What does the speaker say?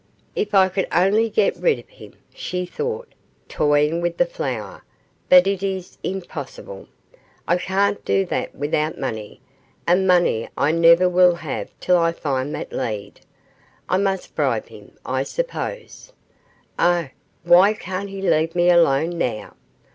'If I could only get rid of him,' she thought, toying with the flower; 'but it is impossible. I can't do that without money, and money I never will have till I find that lead. I must bribe him, I suppose. Oh, why can't he leave me alone now?